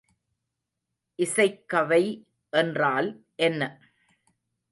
இசைக்கவை என்றால் என்ன?